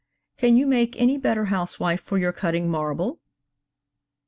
Can you make any better housewife for your cutting marble?'